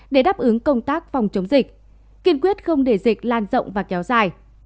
để đáp ứng công tác phòng chống dịch kiên quyết không để dịch lan rộng và kéo dài